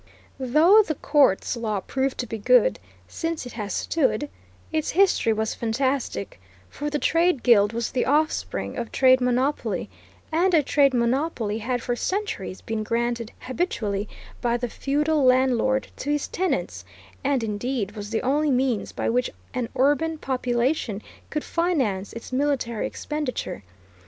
Though the Court's law proved to be good, since it has stood, its history was fantastic; for the trade guild was the offspring of trade monopoly, and a trade monopoly had for centuries been granted habitually by the feudal landlord to his tenants, and indeed was the only means by which an urban population could finance its military expenditure.